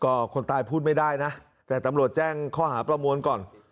ก็คนตายพูดไม่ได้นะแต่ตำรวจแจ้งข้อหาประมวลก่อน